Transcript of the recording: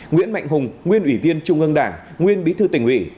nguyễn mạnh hùng nguyên ủy viên trung ương đảng nguyên bí thư tỉnh ủy